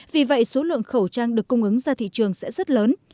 vì vậy số lượng khẩu trang được cung ứng ra thị trường sẽ rất lớn